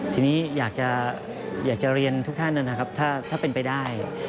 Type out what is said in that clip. ทีนี้อยากจะเรียนทุกท่านนะครับถ้าเป็นไปได้